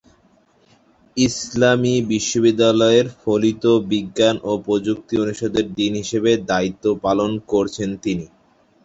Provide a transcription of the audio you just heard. ইসলামী বিশ্ববিদ্যালয়ের ফলিত বিজ্ঞান ও প্রযুক্তি অনুষদের ডীন হিসেবে দায়িত্ব পালন করেছেন তিনি।